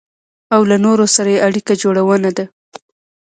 او له نورو سره يې اړيکه جوړونه ده.